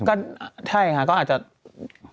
ก็ใช่ค่ะก็อาจจะ